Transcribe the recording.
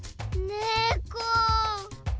ねこ。